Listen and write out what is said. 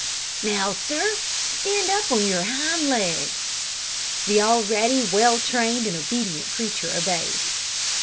"Now, sir, stand up on your hind legs." The already well trained and obedient creature obeyed.